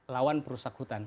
lawan perusahaan hutan